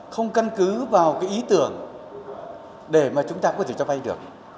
không căn cứ vào cái ý tưởng để mà chúng ta có thể cho vay được